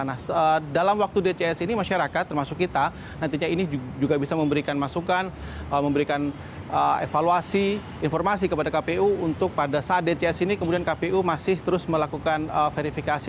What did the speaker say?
nah dalam waktu dcs ini masyarakat termasuk kita nantinya ini juga bisa memberikan masukan memberikan evaluasi informasi kepada kpu untuk pada saat dcs ini kemudian kpu masih terus melakukan verifikasi